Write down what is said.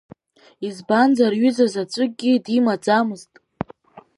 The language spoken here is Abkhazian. Избанзар ҩыза заҵәыкгьы димаӡамызт.